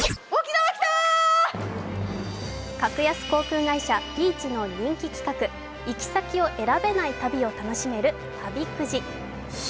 格安航空会社ピーチの人気企画行き先を選べない旅を楽しめる旅くじ。